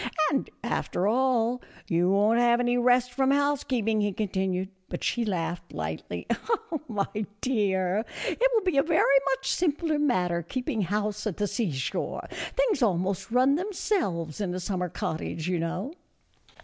" And after all, you won't have any rest from housekeeping," he continued ; but she laughed lightly, " My dear, it will be a very much simpler matter keeping house at the seashore ; things almost run themselves in a summer cottage, you know."